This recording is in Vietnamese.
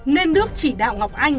nên đức chỉ đạo ngọc anh